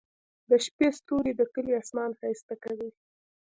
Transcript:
د شپې ستوري د کلي اسمان ښايسته کوي.